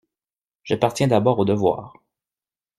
J'appartiens d'abord au devoir.